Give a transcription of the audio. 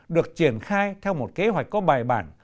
được triển khai theo một kế hoạch có bài bản